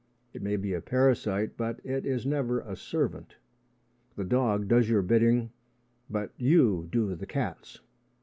It may be a parasite, but it is never a servant. The dog does your bidding, but you do the cat's.